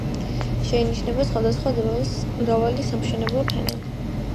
შეინიშნება სხვადასხვა დროის მრავალი სამშენებლო ფენა.